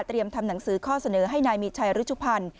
ทำหนังสือข้อเสนอให้นายมีชัยรุชุพันธ์